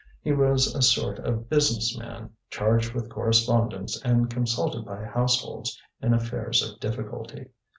He was a sort of business man, charged with correspondence and consulted by households in affairs of difficulty.